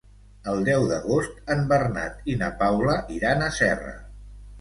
El deu d'agost en Bernat i na Paula iran a Serra.